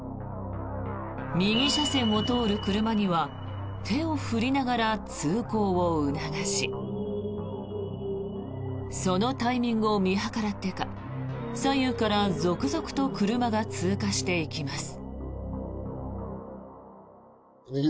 右車線を通る車には手を振りながら通行を促しそのタイミングを見計らってか左右から続々と車が通過していきます。